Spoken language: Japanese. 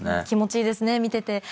気持ちいいですね見てて。